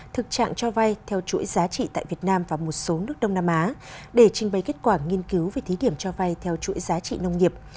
thực trạng cho vay theo chuỗi giá trị tại việt nam và một số nước đông nam á để trình bày kết quả nghiên cứu về thí điểm cho vay theo chuỗi giá trị nông nghiệp